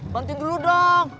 banting dulu dong